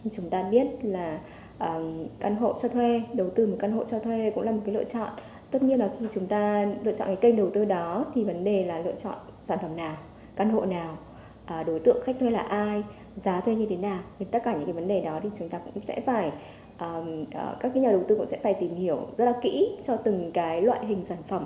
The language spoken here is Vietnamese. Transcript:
các nhà đầu tư sẽ phải tìm hiểu rất là kỹ cho từng loại hình sản phẩm